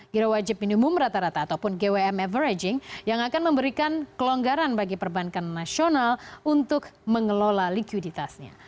giro wajib minimum rata rata ataupun gwm averaging yang akan memberikan kelonggaran bagi perbankan nasional untuk mengelola likuiditasnya